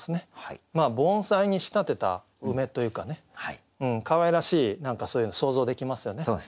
盆栽に仕立てた梅というかねかわいらしい何かそういうの想像できますよね。